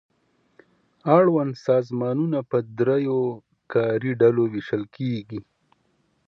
اړوند سازمانونه په دریو کاري ډلو وېشل کیږي.